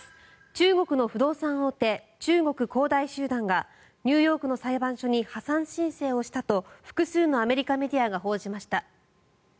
中国の不動産大手中国・恒大集団がニューヨークの裁判所に破産申請をしたと複数のアメリカメディアが報じました。